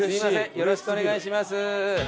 よろしくお願いします。